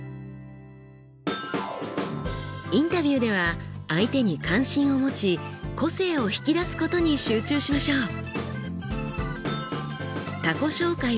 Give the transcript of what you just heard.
インタビューでは相手に関心を持ち個性を引き出すことに集中しましょう。